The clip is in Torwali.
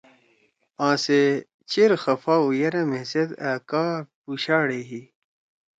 آسے چیر خفا ہُو یرأ مھیسیت آ کا پُوشاڑے ہی۔